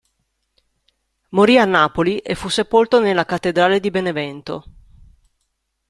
Morì a Napoli e fu sepolto nella cattedrale di Benevento.